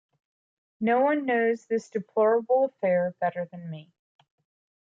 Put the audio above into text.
No one knows this deplorable affair better than me.